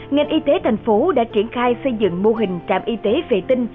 ngành y tế thành phố đã triển khai xây dựng mô hình trạm y tế vệ tinh